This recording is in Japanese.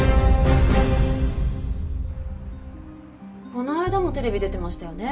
この間もテレビ出てましたよね